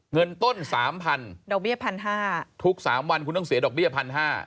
เงินต้น๓๐๐๐บาทดอกเบี้ย๑๕๐๐บาททุก๓วันคุณต้องเสียดอกเบี้ย๑๕๐๐บาท